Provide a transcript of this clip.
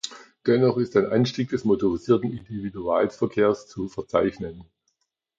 Dennoch ist ein Anstieg des motorisierten Individualverkehrs zu verzeichnen.